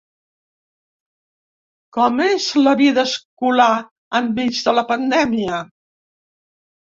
Com és la vida escolar enmig de la pandèmia?